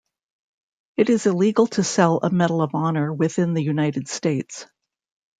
It is illegal to sell a Medal of Honor within the United States.